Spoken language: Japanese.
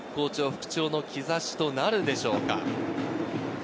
復調の兆しとなるのでしょうか。